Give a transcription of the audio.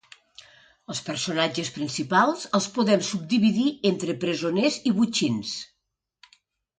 Els personatges principals, els podem subdividir entre presoners i botxins.